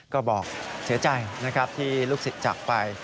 ก็บอกเสียใจนะครับที่ลูกศิษย์จากไป